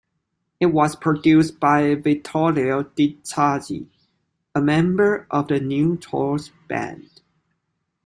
It was produced by Vittorio De Scalzi, a member of the New Trolls band.